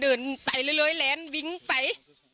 เดินไปเรื่อยแลนวิ้งไป